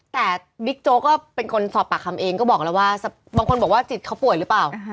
แต่บิ๊กโจ๊กก็เป็นคนสอบปากคำเองก็บอกแล้วว่าบางคนบอกว่าจิตเขาป่วยหรือเปล่า